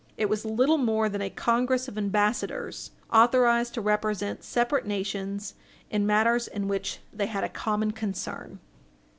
It was little more than a congress of ambassadors, authorized to represent separate nations in matters in which they had a common concern.